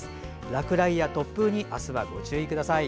落雷や突風に明日はご注意ください。